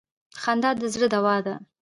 خندا د زړه دوا ده.